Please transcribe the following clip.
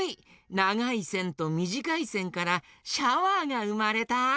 ながいせんとみじかいせんからシャワーがうまれた！